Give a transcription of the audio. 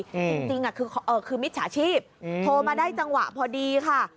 จริงคือมิจฉาชีพโทรมาได้จังหวะพอดีค่ะ